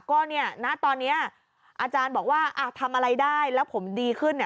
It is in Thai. ก็เนี่ยณตอนนี้อาจารย์บอกว่าทำอะไรได้แล้วผมดีขึ้นเนี่ย